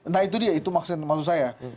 nah itu dia itu maksud saya